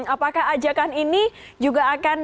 apakah ajakan ini juga akan